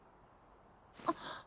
あっ！